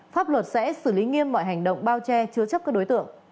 pháp luật sẽ xử lý nghiêm mọi hành động bao che chứa chấp các đối tượng